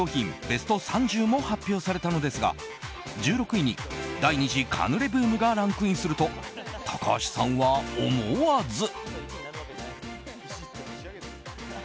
ベスト３０も発表されたのですが１６位に第２次カヌレブームがランクインすると高橋さんは思わず。